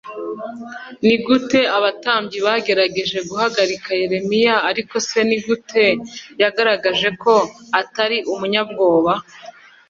Ni gute abatambyi bagerageje guhagarika yeremiya ariko se ni gute yagaragaje ko atari umunyabwoba